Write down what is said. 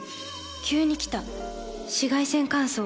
急に来た紫外線乾燥。